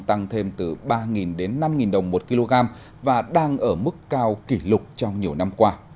tăng thêm từ ba đến năm đồng một kg và đang ở mức cao kỷ lục trong nhiều năm qua